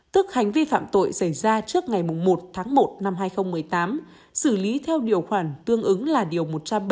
tức hành vi phạm tội xảy ra trước ngày một tháng một năm hai nghìn một mươi tám xử lý theo điều khoản tương ứng là điều một trăm bảy mươi bảy